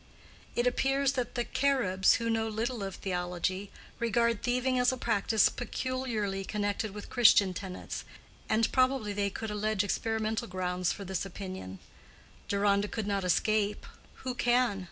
It appears that the Caribs, who know little of theology, regard thieving as a practice peculiarly connected with Christian tenets, and probably they could allege experimental grounds for this opinion. Deronda could not escape (who can?)